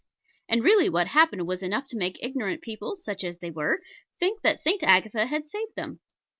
And really what happened was enough to make ignorant people, such as they were, think that St. Agatha had saved them.